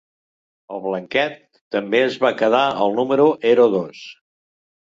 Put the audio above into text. El Blanquet també es va quedar el número ero dos.